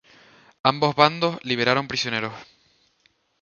Ambos bandos liberaron prisioneros.